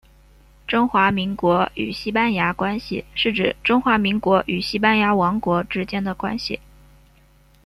中华民国与西班牙关系是指中华民国与西班牙王国之间的关系。